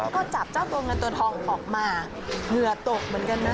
ก็จับเจ้าตัวเงินตัวทองออกมาเหงื่อตกเหมือนกันนะ